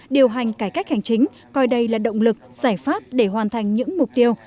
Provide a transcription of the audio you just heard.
điều hành cải cách hành chính coi đây là động lực giải pháp để hoàn thành những mục tiêu